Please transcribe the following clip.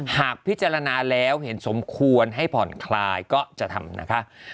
หากพิจารณาแล้วเห็นสมควรให้ผ่อนคลายก็จะทำนะคะ